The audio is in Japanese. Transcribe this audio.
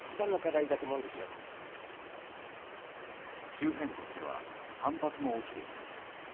周辺国では反発も起きています。